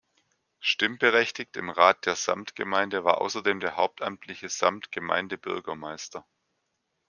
Stimmberechtigt im Rat der Samtgemeinde war außerdem der hauptamtliche Samtgemeindebürgermeister.